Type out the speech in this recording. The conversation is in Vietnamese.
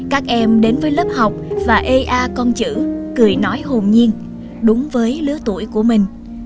các em đến với lớp học và ê a con chữ cười nói hồn nhiên đúng với lứa tuổi của mình